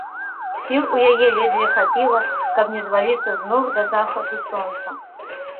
Сіл у яе ледзьве хапіла, каб не зваліцца з ног да захаду сонца.